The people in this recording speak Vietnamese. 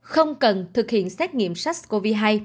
không cần thực hiện xét nghiệm sars cov hai